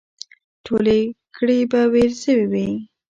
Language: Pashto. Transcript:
ټولې ګړې به وېل سوې وي.